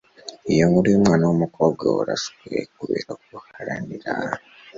iyo nkuru y'umwana w'umukobwa warashwe kubera guharanira